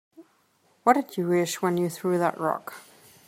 What'd you wish when you threw that rock?